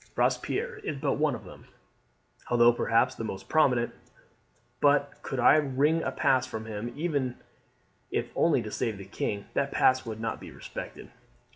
Robespierre is but one of them, although, perhaps, the most prominent; but could I wring a pass from him even if only to see the king, that pass would not be respected.